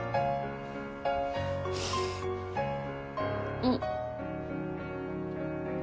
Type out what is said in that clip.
うん。